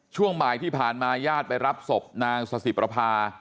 ช่วงบ่ายที่ผ่านมาญาติไปรับศพนางสสิประพา